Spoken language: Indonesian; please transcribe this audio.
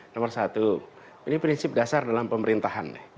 nomor satu ini prinsip dasar dalam pemerintahan